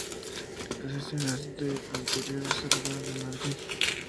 Las escenas de interiores se rodaron en Madrid.